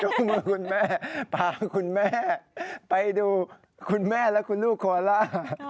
มือคุณแม่พาคุณแม่ไปดูคุณแม่และคุณลูกโคล่า